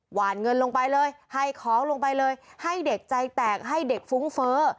หวานเงินลงไปเลยให้ของลงไปเลยให้เด็กใจแตกให้เด็กฟุ้งเฟ้อ